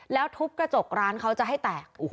แล้วทุบกระจกร้านเขาจะให้แตก